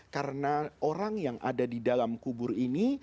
karena orang yang ada di dalam kubur ini